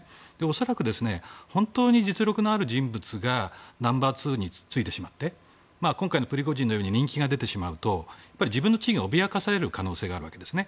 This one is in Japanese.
恐らく本当に実力のある人物がナンバー２についてしまって今回のプリゴジンのように人気が出てしまうと自分の地位が脅かされる可能性があるんですね。